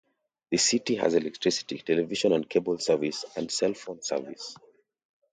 The city has electricity, television and cable service, and cell phone service.